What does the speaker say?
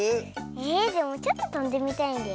えでもちょっととんでみたいんだよね。